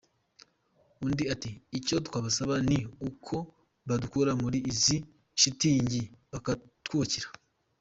Undi ati “Icyo twabasaba ni uko badukura muri izi shitingi, bakatwubakira.